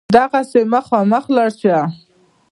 دغسې مخامخ لاړ شه.